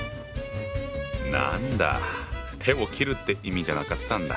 なんだ手を切るって意味じゃなかったんだ。